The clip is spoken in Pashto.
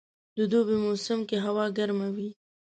د دوبي په موسم کښي هوا ګرمه وي.